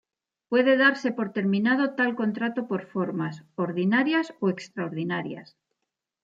Puede darse por terminado tal contrato por formas; ordinarias o extraordinarias.